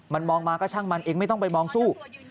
มันมองมาก็ช่างมันเองไม่ต้องไปมองสู้